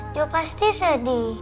dia pasti sedih